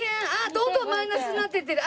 どんどんマイナスになってってる。